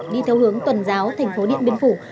đi theo hướng tuần giáo tp điện biên phủ